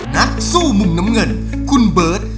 นักสู้มุมน้ำเงินคุณเบิร์ต